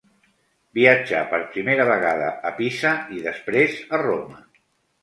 Viatjà per primera vegada a Pisa, i després a Roma.